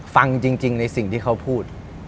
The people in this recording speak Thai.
ฟังจริงในสิ่งที่เขาพูด